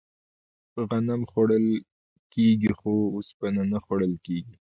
غنم خوړل کیږي خو اوسپنه نه خوړل کیږي.